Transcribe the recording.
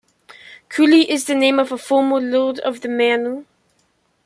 Culey is the name of a former lord of the manor.